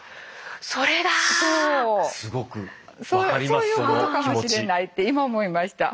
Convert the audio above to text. そういうことかもしれないって今思いました。